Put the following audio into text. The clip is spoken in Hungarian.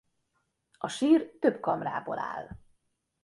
A sír több kamrából áll.